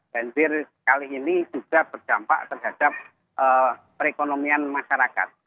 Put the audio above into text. banjir kali ini juga berdampak terhadap perekonomian masyarakat